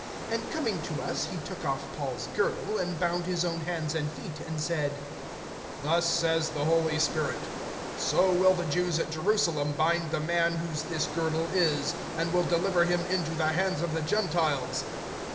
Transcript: (11)And coming to us, he took off Paul's girdle, and bound his own hands and feet, and said: Thus says the Holy Spirit: So will the Jews at Jerusalem bind the man, whose this girdle is, and will deliver him into the hands of the Gentiles.